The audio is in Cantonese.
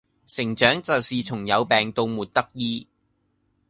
成長就是從有病到沒得醫。